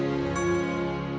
sampai jumpa lagi